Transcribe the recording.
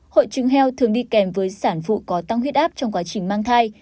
hội chứng heo thường đi kèm với sản phụ có tăng huyết áp trong quá trình mang thai